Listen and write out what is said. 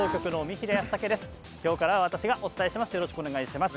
きょうから私がお伝えします。